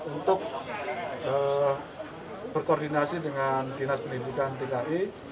untuk berkoordinasi dengan dinas pendidikan dki